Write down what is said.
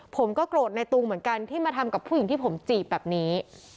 ผมก็โกรธในตูงเหมือนกันที่มาทำกับผู้หญิงที่ผมจีบแบบนี้